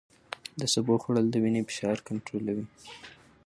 د سبو خوړل د وینې فشار کنټرولوي.